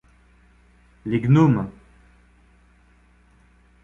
Les Gnomes.